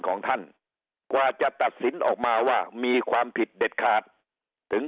ของท่านกว่าจะตัดสินออกมาว่ามีความผิดเด็ดขาดถึง